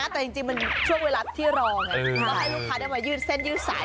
แต่จริงมันช่วงเวลาที่รอไงก็ให้ลูกค้าได้มายืดเส้นยืดสาย